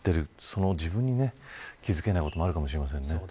その自分に気付けないこともあるかもしれません。